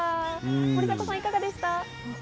森迫さん、いかがでした？